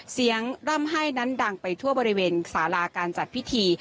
ร่ำให้นั้นดังไปทั่วบริเวณสาราการจัดพิธี